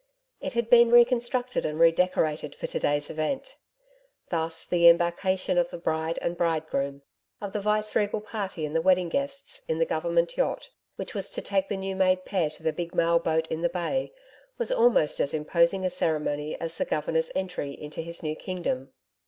It had been re constructed and redecorated for to day's event. Thus the embarcation of the bride and bridegroom, of the viceregal party and the wedding guests, in the Government yacht, which was to take the new made pair to the big mail boat in the Bay, was almost as imposing a ceremony as the Governor's Entry into his new kingdom.